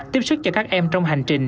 tiếp xúc cho các em trong hành trình